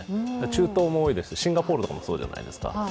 中東も多いですしシンガポールとかもそうじゃないですか。